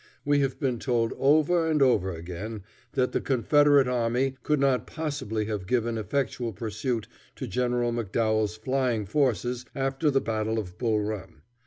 We have been told over and over again that the Confederate army could not possibly have given effectual pursuit to General McDowell's flying forces after the battle of Bull Run.